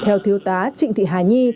theo thiếu tá trịnh thị hà nhi